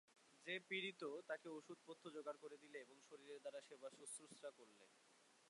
যে পীড়িত, তাকে ঔষধ পথ্য যোগাড় করে দিলে এবং শরীরের দ্বারা সেবাশুশ্রূষা করলে।